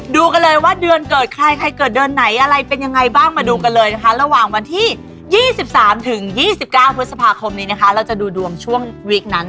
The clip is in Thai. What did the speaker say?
ดูกันเลยว่าเดือนเกิดใครใครเกิดเดือนไหนอะไรเป็นยังไงบ้างมาดูกันเลยนะคะระหว่างวันที่๒๓ถึง๒๙พฤษภาคมนี้นะคะเราจะดูดวงช่วงวิกนั้น